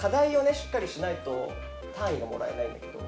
しっかりしないと単位がもらえないんだけど。